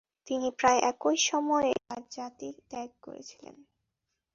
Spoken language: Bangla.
তিনি প্রায় একই সময়ে তার জাতি ত্যাগ করেছিলেন।